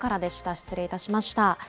失礼いたしました。